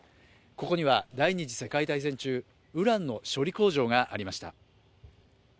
ここには第二次世界大戦中、ウランの処理工場がありました。